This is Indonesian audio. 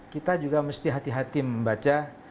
kita juga mesti hati hati membaca media sosial